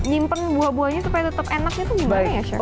nyimpen buah buahnya supaya tetap enaknya tuh gimana ya chef